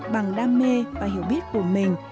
bằng đam mê và hiểu biết của mình